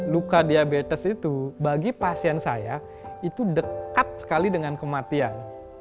luka diabetes itu bagi pasien saya itu dekat sekali dengan kematian